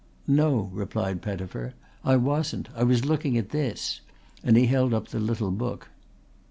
"No," replied Pettifer. "I wasn't. I was looking at this," and he held up the little book.